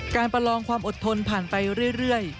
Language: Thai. ประลองความอดทนผ่านไปเรื่อย